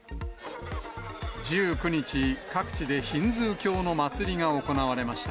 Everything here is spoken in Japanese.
１９日、各地でヒンドゥー教の祭りが行われました。